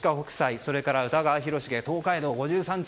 それから歌川広重「東海道五十三次」